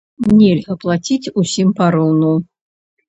Нельга плаціць усім пароўну.